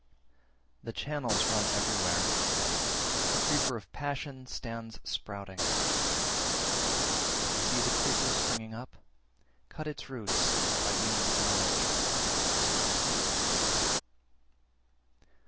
340. The channels run everywhere, the creeper (of passion) stands sprouting; if you see the creeper springing up, cut its root by means of knowledge.